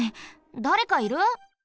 だれかいる？